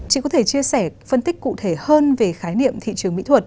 chị có thể chia sẻ phân tích cụ thể hơn về khái niệm thị trường mỹ thuật